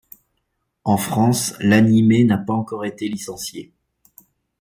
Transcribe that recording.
En France, l'animé n'a pas encore été licencié.